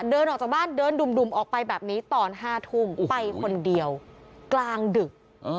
เดินออกจากบ้านเดินดุ่มออกไปแบบนี้ตอน๕ทุ่มไปคนเดียวกลางดึก